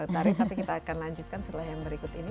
tarik tapi kita akan lanjutkan setelah yang berikut ini